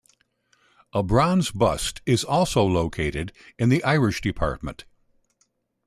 A bronze bust is also located in the Irish department.